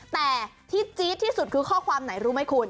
แต่ที่จี๊ดที่สุดคือข้อความไหนรู้ไหมคุณ